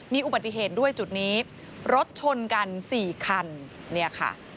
มีอุบัติเหตุด้วยจุดนี้รถชนกันสี่คันเนี่ยค่ะ